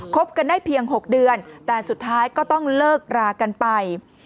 บกันได้เพียง๖เดือนแต่สุดท้ายก็ต้องเลิกรากันไป